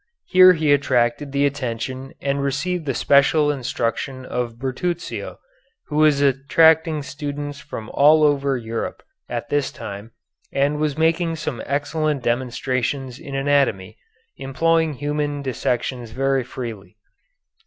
Here he attracted the attention and received the special instruction of Bertruccio, who was attracting students from all over Europe at this time and was making some excellent demonstrations in anatomy, employing human dissections very freely.